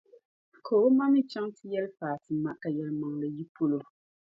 Ka o ma mi chaŋ nti yɛli Fati ma ka yɛlimaŋli yi polo.